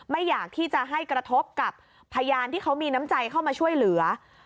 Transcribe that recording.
ไม่อยากที่จะให้กระทบกับพยานที่เขามีน้ำใจเข้ามาช่วยเหลือ